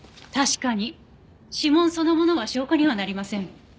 確かに指紋そのものは証拠にはなりません。